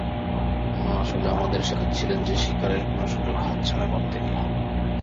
মা আসলে আমাদের শেখাচ্ছিল যে শিকারের কোন সুযোগ হাতছাড়া করতে নেই।